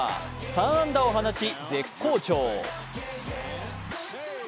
３安打を放ち、絶好調。